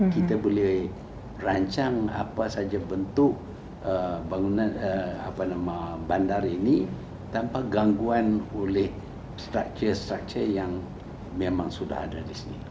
kita boleh rancang apa saja bentuk bangunan bandar ini tanpa gangguan oleh structure struktur yang memang sudah ada di sini